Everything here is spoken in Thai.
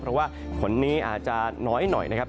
เพราะว่าฝนนี้อาจจะน้อยหน่อยนะครับ